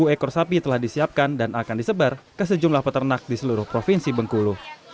satu ratus lima belas ekor sapi telah disiapkan dan akan disebar ke sejumlah peternak di seluruh provinsi bengkulu